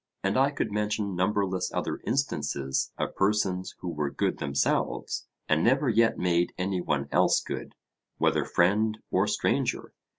And I could mention numberless other instances of persons who were good themselves, and never yet made any one else good, whether friend or stranger.